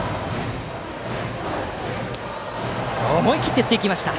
思い切って振っていきました。